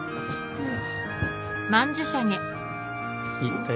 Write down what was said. うん。